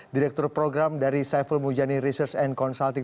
direktur program dari saiful mujani research and consulting